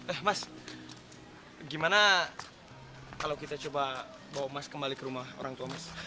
eh mas gimana kalau kita coba bawa mas kembali ke rumah orang tua mas